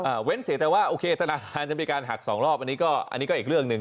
เว้นเสียแต่ว่าโอเคธนาคารจะมีการหักสองรอบอันนี้ก็อันนี้ก็อีกเรื่องหนึ่ง